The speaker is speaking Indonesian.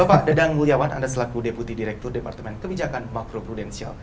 bapak dedang wuljawan anda selaku deputi direktur departemen kebijakan makro produksi